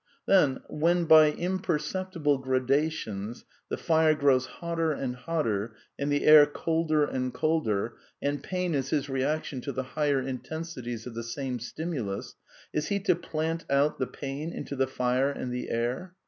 Then, when by imperceptible gradations the fire grows hotter and hotter, and the air colder and colder, and pain is his reaction to the higher in tensities of the same stimulus, is he to plant out the pain' into the fire and the air